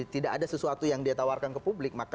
tidak ada sesuatu yang ditawarkan ke publik